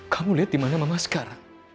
kamu lihat dimana mama sekarang